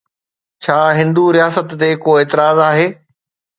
ڇا هندو رياست تي ڪو اعتراض آهي؟